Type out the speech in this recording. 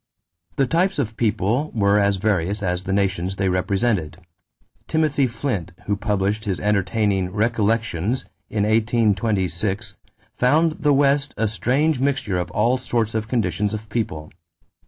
The types of people were as various as the nations they represented. Timothy Flint, who published his entertaining Recollections in 1826, found the West a strange mixture of all sorts and conditions of people.